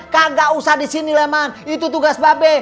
kagak usah di sini leman itu tugas babek